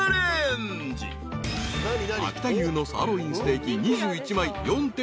［秋田牛のサーロインステーキ２１枚４．２ｋｇ］